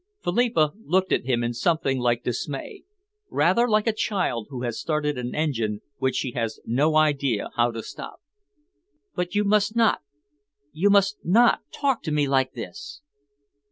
Philippa looked at him in something like dismay, rather like a child who has started an engine which she has no idea how to stop. "But you must not you must not talk to me like this!"